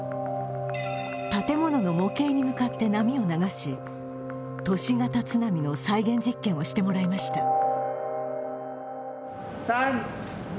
建物の模型に向かって波を流し、都市型津波の再現実験をしてもらいました。